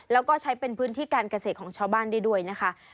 แล้วก็ใช้เป็นพื้นที่การเกษตรของชาวบ้านได้ด้วยนะคะ